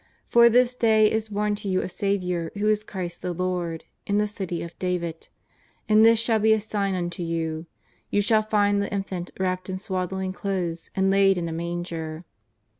For this day is born to you a Saviour who is Christ the Lord in the city of David. And this shall be a sign unto you. You shall find the Infant wrapped in swaddling clothes and laid in a manger.